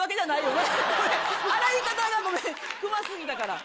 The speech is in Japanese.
洗い方がごめんクマ過ぎたから。